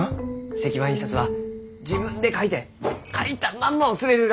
石版印刷は自分で描いて描いたまんまを刷れるらあ